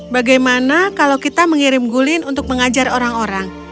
bagaimana kalau kita mengirim gulin untuk mengajar orang orang